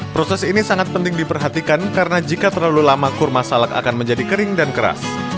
proses ini sangat penting diperhatikan karena jika terlalu lama kurma salak akan menjadi kering dan keras